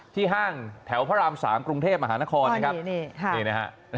ที่ห้างแถวพระรามสามกรุงเทพฯอหานครเลยครับโอ้แน่แน่ไง